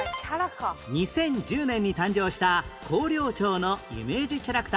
２０１０年に誕生した広陵町のイメージキャラクター